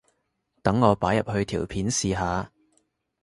等我擺入去條片試下